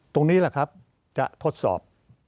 ตรงนี้แหละครับจะทดสอบ